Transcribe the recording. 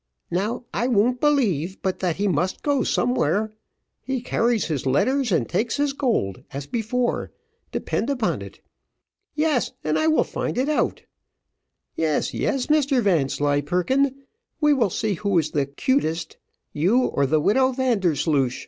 Now I won't believe but that he must go somewhere; he carries his letters, and takes his gold as before, depend upon it. Yes, and I will find it out. Yes, yes, Mr Vanslyperken, we will see who is the 'cutest you, or the widow Vandersloosh."